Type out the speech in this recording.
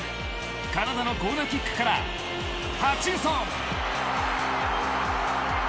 カナダのコーナーキックからハッチンソン。